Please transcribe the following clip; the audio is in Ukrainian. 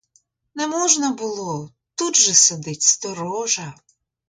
Не можна було, тут же сидить сторожа.